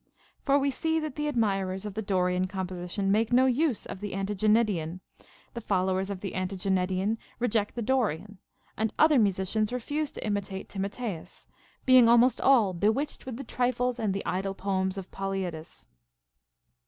For we see that the admirers of the Dorian composition make no use of the Antiginedian ; the followers of the zVn tiginedian reject the Dorian; and other musicians refuse to imitate Timotheus, being almost all bewitched with the trifles and the idle poems of Polyidus.